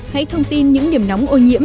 hãy thông tin những điểm nóng ô nhiễm